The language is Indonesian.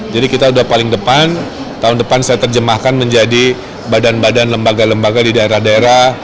jadi kita sudah paling depan tahun depan saya terjemahkan menjadi badan badan lembaga lembaga di daerah daerah